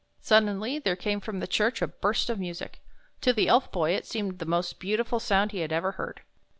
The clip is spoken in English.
Suddenly there came from the church a burst of music. To the Elf Boy it seemed the most beautiful sound he had ever heard.